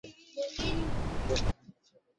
সে সৈন্য আছে কোথায়?